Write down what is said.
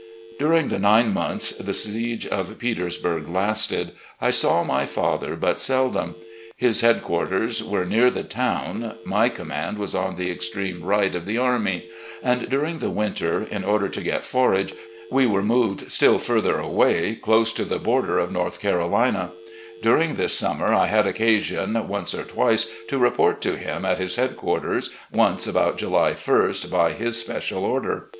During the nine months the siege of Petersburg lasted, I saw my father but seldom. His headquarters were near the town, my command was on the extreme right of the army, and during the winter, in order to get forage, we were moved still further away, dose to the border of North FRONTING THE ARMY OF THE POTOMAC 131 Carolina. During this summer, I had occasion, once or twice, to report to him at his headquarters, once about July 1st by his special order.